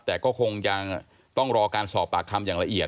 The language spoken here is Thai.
แต่ก็คงยังต้องรอการสอบปากคำอย่างละเอียด